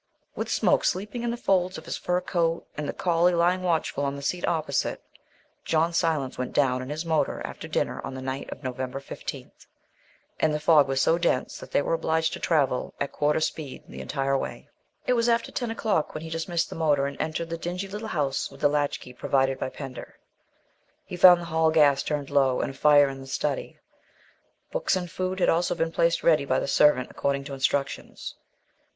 With Smoke sleeping in the folds of his fur coat, and the collie lying watchful on the seat opposite, John Silence went down in his motor after dinner on the night of November 15th. And the fog was so dense that they were obliged to travel at quarter speed the entire way. It was after ten o'clock when he dismissed the motor and entered the dingy little house with the latchkey provided by Pender. He found the hall gas turned low, and a fire in the study. Books and food had also been placed ready by the servant according to instructions.